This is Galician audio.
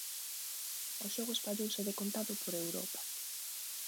O xogo espallouse decontado por Europa.